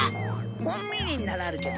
本みりんならあるけど。